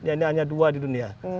ya ini hanya dua di dunia